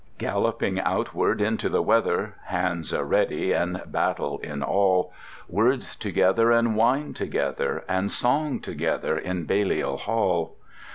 Galloping outward into the weather, Hands a ready and battle in all: Words together and wine together And song together in Balliol Hall.